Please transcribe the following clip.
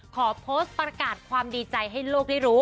ขอโพสต์ประกาศความดีใจให้โลกได้รู้